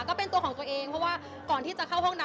ก็เป็นตัวของตัวเองเพราะว่าก่อนที่จะเข้าห้องน้ำ